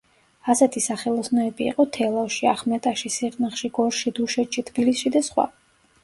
ასეთი სახელოსნოები იყო თელავში, ახმეტაში, სიღნაღში, გორში, დუშეთში, თბილისში და სხვა.